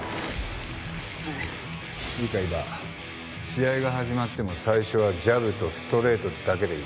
試合が始まっても最初はジャブとストレートだけでいい。